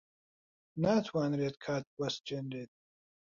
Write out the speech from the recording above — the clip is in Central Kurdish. ناتوانرێت کات بوەستێنرێت.